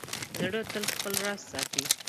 زړه تل خپل راز ساتي.